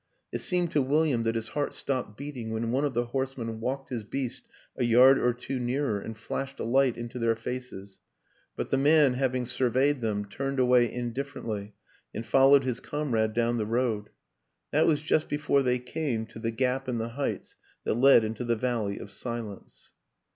It seemed to William that his heart stopped beat ing when one of the horsemen walked his beast a yard or two nearer and flashed a light into their faces; but the man, having surveyed them, turned away indifferently and followed his comrade down the road. That was just before they came to the gap in the heights that led into the valley of silence.